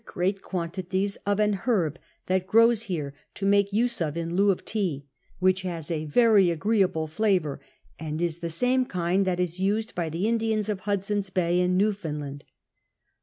great quantities of an herb that grows lierc, to make use of in lieu of tea ; which has a very agree able flavour, ami is the same kind as is used by the Indians of Hudson's Bay and Newfoundland.